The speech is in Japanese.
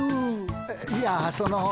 いやその。